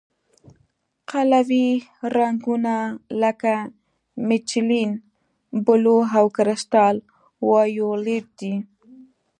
قلوي رنګونه لکه میتیلین بلو او کرسټل وایولېټ دي.